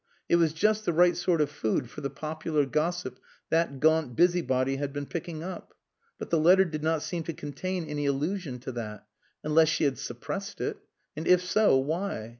It was just the right sort of food for the popular gossip that gaunt busybody had been picking up. But the letter did not seem to contain any allusion to that. Unless she had suppressed it. And, if so, why?